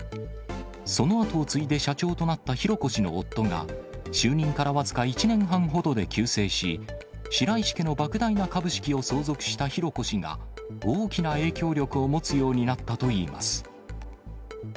その後を継いで社長となった浩子氏の夫が、就任から僅か１年半ほどで急逝し、白石家のばく大な株式を相続した浩子氏が、大きな影響力を持つようになったといいます。